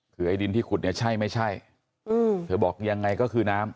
คือไอ้ดินที่ขุดเนี่ยใช่ไม่ใช่เธอบอกยังไงก็คือน้ำ